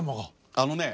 あのね